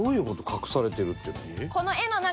隠されてるっていうのは。